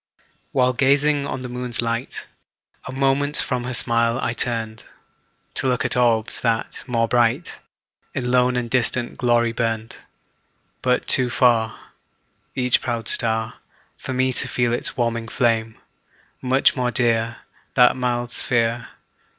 While gazing on the moon's light, A moment from her smile I turned, To look at orbs, that, more bright, In lone and distant glory burned. But too far Each proud star, For me to feel its warming flame; Much more dear That mild sphere.